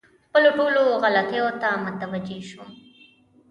خپلو ټولو غلطیو ته متوجه شوم.